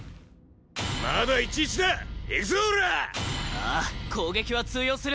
ああ攻撃は通用する！